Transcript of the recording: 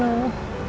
ya aku tau